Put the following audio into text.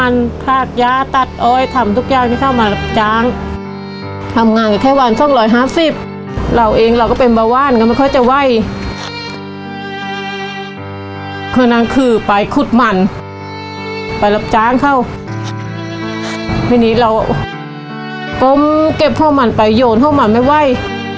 ทีนี้เราก้มเก็บห้องมันไปโยนห้องมันไม่ไหว